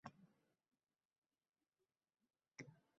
bo'lgan ilmu ma`rifatni ta`riflashdan boshlaydi.